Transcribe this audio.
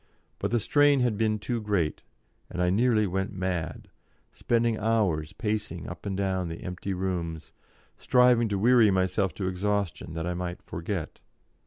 But the strain had been too great, and I nearly went mad, spending hours pacing up and down the empty rooms, striving to weary myself to exhaustion that I might forget.